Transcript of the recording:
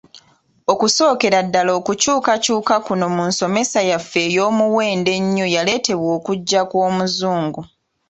Okusookera ddala okukyukakyuka kuno mu nsomesa yaffe ey’Omuwendo ennyo yaleetebwa okujja kw’Omuzungu.